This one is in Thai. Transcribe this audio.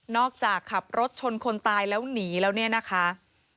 จากขับรถชนคนตายแล้วหนีแล้วเนี่ยนะคะ